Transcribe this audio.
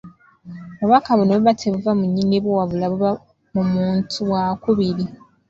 Obubaka buno buba tebuva mu nnyinibwo wabula buba mu muntu wakubiri.